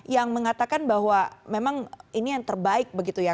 yang mengatakan bahwa memang ini yang terbaik begitu ya